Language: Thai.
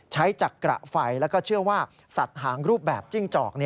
ใช้จากกระไฟแล้วก็เชื่อว่าสัตว์หางรูปแบบจิ้งจอก